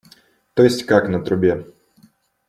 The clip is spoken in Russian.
То есть как на трубе?